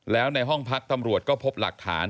แล้วในห้องพักตำรวจก็พบหลักฐาน